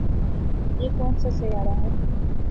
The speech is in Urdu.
یہ کون سا سیارہ ہے